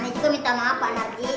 nek juga minta maaf bang narji